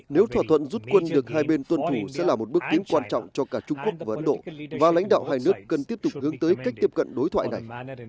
nếu thỏa thuận rút quân được hai bên tuân thủ sẽ là một bước tiến quan trọng cho cả trung quốc và ấn độ và lãnh đạo hai nước cần tiếp tục hướng tới cách tiếp cận đối thoại này